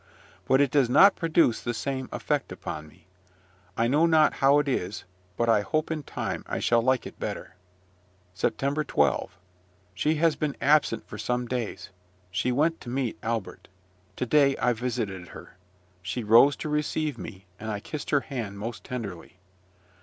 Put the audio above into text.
But it does not produce the same effect upon me. I know not how it is, but I hope in time I shall like it better. SEPTEMBER 12. She has been absent for some days. She went to meet Albert. To day I visited her: she rose to receive me, and I kissed her hand most tenderly.